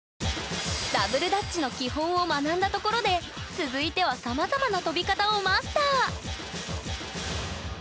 ダブルダッチの基本を学んだところで続いてはさまざまな跳び方をマスター！